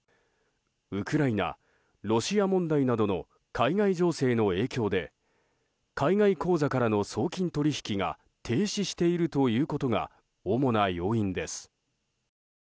ウクライナ、ロシア問題などの海外情勢の影響で海外口座からの送金取引が停止しているということが主な要因です。